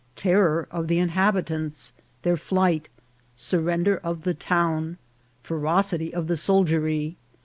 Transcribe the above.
— Terror of the Inhabitants. — Their Flight.— Sur render of the Town.— Ferocity of the Soldiery.